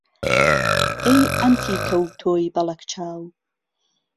ئهی عهنتیکه و تۆی بهڵهک چاو